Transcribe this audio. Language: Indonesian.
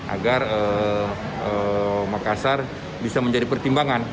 agar makassar bisa menjadi pertimbangan